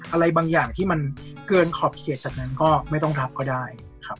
อะไรบางอย่างที่มันเกินขอบเขตจากนั้นก็ไม่ต้องรับก็ได้ครับ